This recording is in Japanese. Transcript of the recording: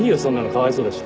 かわいそうだし。